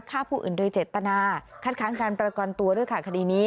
ฆ่าผู้อื่นโดยเจตนาคัดค้างการประกันตัวด้วยค่ะคดีนี้